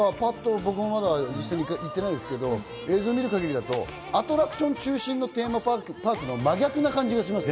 僕もまだ行ってないんですけど映像を見る限りアトラクション中心のテーマパークとは真逆な感じがします。